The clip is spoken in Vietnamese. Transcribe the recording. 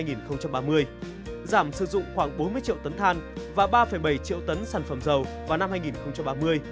giảm sử dụng khoảng bốn mươi triệu tấn than và ba bảy triệu tấn sản phẩm dầu vào năm hai nghìn ba mươi